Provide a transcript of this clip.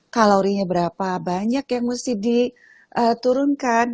kalorinya berapa banyak yang mesti diturunkan